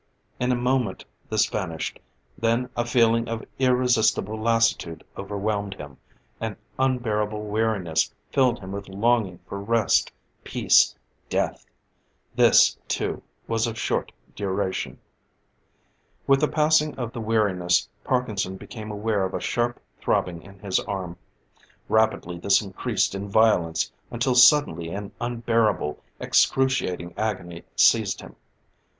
In a moment this vanished. Then a feeling of irresistible lassitude overwhelmed him; an unbearable weariness filled him with longing for rest, peace death. This, too, was of short duration. With the passing of the weariness, Parkinson became aware of a sharp throbbing in his arm. Rapidly this increased in violence, until suddenly an unbearable, excruciating agony seized him.